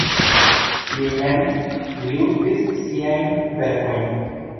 Li mem ilustris siajn verkojn.